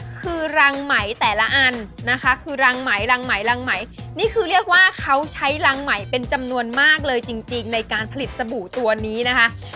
คือรังไหมแต่ละอันนะคะคือรังไหมรังไหมรังไหมนี่คือเรียกว่าเขาใช้รังไหมเป็นจำนวนมากเลยจริงในการผลิตสบู่ตัวนี้นะคะ